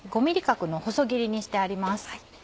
５ｍｍ角の細切りにしてあります。